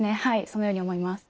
そのように思います。